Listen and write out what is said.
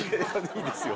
いいですよ。